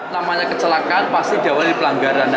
namanya kecelakaan pasti diawali pelanggaran